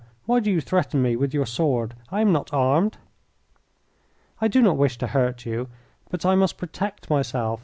Why do you threaten me with your sword? I am not armed." "I do not wish to hurt you, but I must protect myself.